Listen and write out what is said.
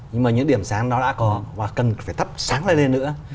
nhưng mà những điểm sáng nó đã có và cần phải thắp sáng lên nữa